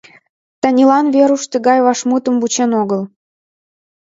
Танилан Веруш тыгай вашмутым вучен огыл.